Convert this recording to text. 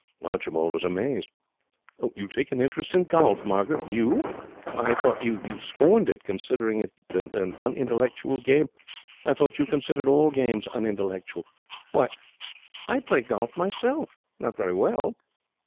Archibald was amazed. 'You take an interest in golf, Margaret? You! I thought you scorned it, considered it an unintellectual game. I thought you considered all games unintellectual.' 'Why, I play golf myself. Not very well.'